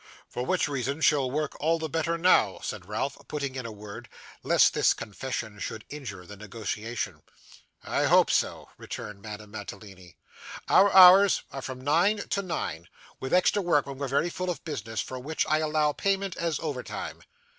'For which reason she'll work all the better now,' said Ralph, putting in a word, lest this confession should injure the negotiation. 'I hope so,' returned Madame Mantalini; 'our hours are from nine to nine, with extra work when we're very full of business, for which I allow payment as overtime.